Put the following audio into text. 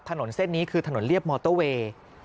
ถนนเส้นนี้คือถนนเรียบมอเตอร์เวย์